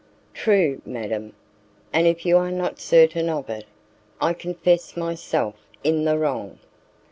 "True, madam; and if you are not certain of it, I confess myself in the wrong."